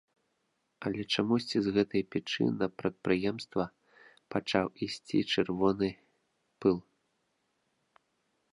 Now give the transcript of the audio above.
Але чамусьці з гэтай печы на прадпрыемства пачаў ісці чырвоны пыл.